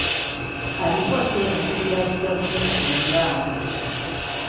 Alipoota eno ekubira zi gavumenti omulanga.